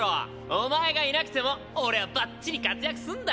お前がいなくても俺はバッチリ活躍すんだよ！